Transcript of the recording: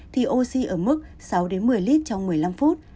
thì oxy ở mức sáu đến một mươi lít trong một mươi năm phút